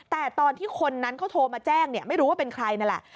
แต่ตอนที่คนนั้นเขาโทรมาแจ้งไม่รู้ว่าเป็นใครนั่นแหละ